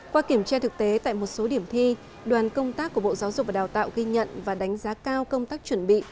qua kiểm tra thực tế tại một số điểm thi đoàn công tác của bộ giáo dục và đào tạo ghi nhận và đánh giá cao công tác chuẩn bị